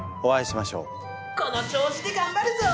この調子で頑張るぞ！